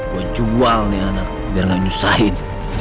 buat jual nih anak biar gak nyusahin